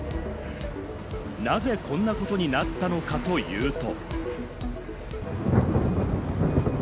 なぜこんなことになったのかというと。